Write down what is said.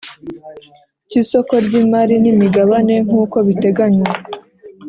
Cy isoko ry imari n imigabane nk uko biteganywa